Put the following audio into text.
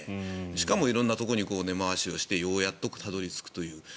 しかも色んなところに根回しをしてようやっとたどり着くという。